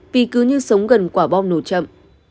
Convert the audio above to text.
vì cứ như sống gần quả bom nổ chậm